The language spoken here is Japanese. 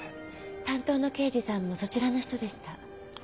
担当の刑事さんもそちらの人でした。